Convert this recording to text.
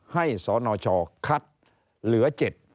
ให้สทชคัดเหลือ๗